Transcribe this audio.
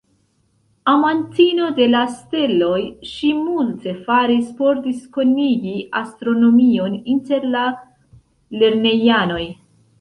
Amantino de la steloj, ŝi multe faris por diskonigi astronomion inter la lernejanoj.